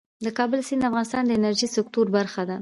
د کابل سیند د افغانستان د انرژۍ سکتور برخه ده.